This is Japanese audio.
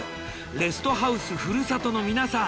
レストハウスふるさとの皆さん